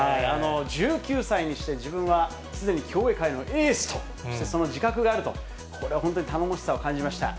１９歳にして、自分はすでに競泳界のエースと、その自覚があると、これは本当に頼もしさを感じました。